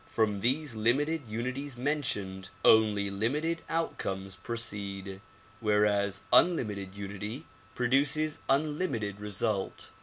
From these limited uni ties mentioned only limited outcomes proceed whereas unlimited unity produces unlimited result.